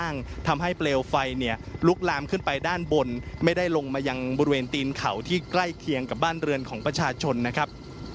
ในบริเวณตีนเขาที่ใกล้เคียงกับบ้านเรือนของประชาชนนะครับ